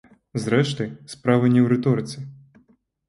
Зрэшты, справа не ў рыторыцы.